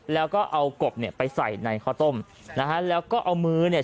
แล้วก็เอากบเนี่ยไปใส่ในข้าวต้มนะฮะแล้วก็เอามือเนี่ย